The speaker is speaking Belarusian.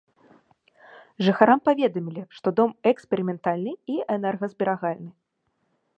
Жыхарам паведамілі, што дом эксперыментальны і энергазберагальны.